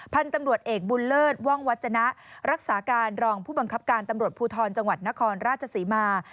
พันธุ์ตำรวจเอกบุญเลิศว่องวัฒนะรักษาการรองผู้บังคับการตำรวจภูทรจังหวัดนครราชศรีมา